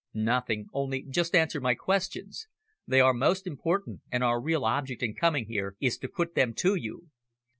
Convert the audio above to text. "Nothing, only just answer my questions. They are most important, and our real object in coming here is to put them to you.